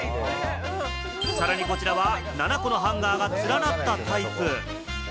さらにこちらは７個のハンガーが連なったタイプ。